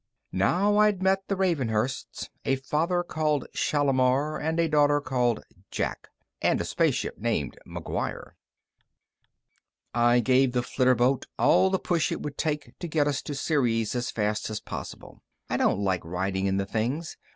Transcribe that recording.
Now I'd met the Ravenhursts: A father called Shalimar and a daughter called Jack. And a spaceship named McGuire. I gave the flitterboat all the push it would take to get us to Ceres as fast as possible. I don't like riding in the things.